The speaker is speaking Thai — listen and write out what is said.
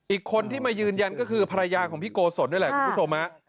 อีกคนที่มายืนยันก็คือภรรยาของพี่โกสนด้วยแหละ